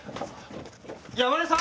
山根さん！